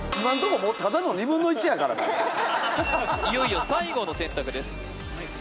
もういよいよ最後の選択ですはい